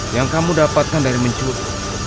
yang kamu dapatkan dari mencuri